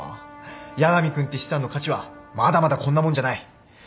八神君って資産の価値はまだまだこんなもんじゃない